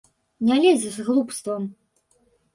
Не лезь з глупствам!